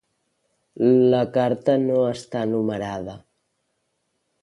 La carta no està numerada.